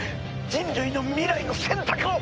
人類の未来の選択を！